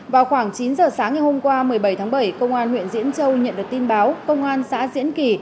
vào khoảng chín giờ sáng ngày hôm qua một mươi bảy tháng bảy công an huyện diễn châu nhận được tin báo công an xã diễn kỳ